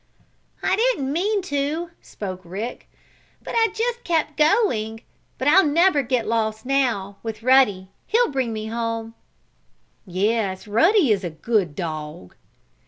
"I didn't mean to," spoke Rick. "But I just kept going. But I'll never get lost, now, with Ruddy. He'll bring me home." "Yes, Ruddy is a good dog."